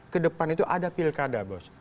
kedepan itu ada pilkada bos